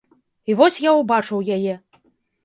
І вось я ўбачыў яе.